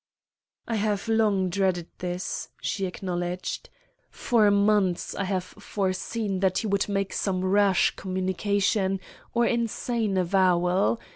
"I have long dreaded this," she acknowledged. "For months I have foreseen that he would make some rash communication or insane avowal.